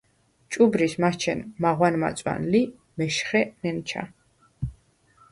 ჭუბრიშ მაჩენ მაღვან-მაწვან ლი მეშხე ნენჩა.